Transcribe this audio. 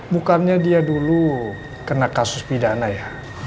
bukannya dia dulu kena kasus pidana ya